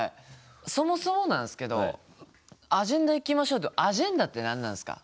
そもそもなんすけど「アジェンダいきましょう」の「アジェンダ」って何なんすか？